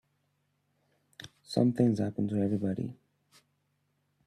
Something's happened to everybody.